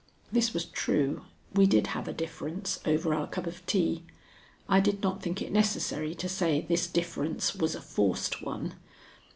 (This was true. We did have a difference over our cup of tea. I did not think it necessary to say this difference was a forced one.